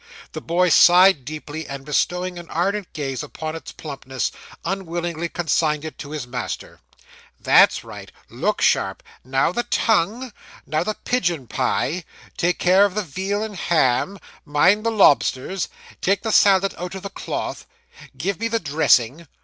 The boy sighed deeply, and, bestowing an ardent gaze upon its plumpness, unwillingly consigned it to his master. 'That's right look sharp. Now the tongue now the pigeon pie. Take care of that veal and ham mind the lobsters take the salad out of the cloth give me the dressing.